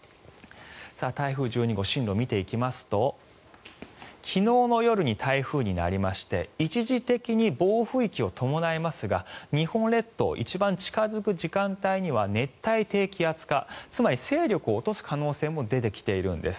台風１２号進路見ていきますと昨日の夜に台風になりまして一時的に暴風域を伴いますが日本列島に一番近付く時間帯には熱帯低気圧化つまり勢力を落とす可能性も出てきているんです。